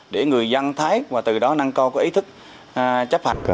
để người dân thấy và từ đó năng co có ý thức chấp hẳn